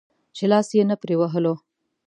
چې لاس يې نه پرې وهلو.